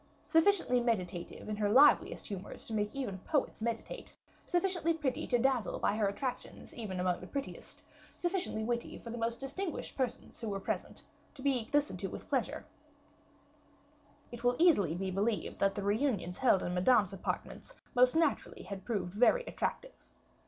Sufficiently meditative in her liveliest humors to make even poets meditate; sufficiently pretty to dazzle by her attractions, even among the prettiest; sufficiently witty for the most distinguished persons who were present, to be listened to with pleasure it will easily be believed that the reunions held in Madame's apartments must naturally have proved very attractive.